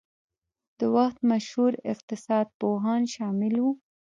د وخت مشهور اقتصاد پوهان شامل وو.